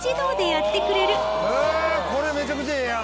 これめちゃくちゃええやん！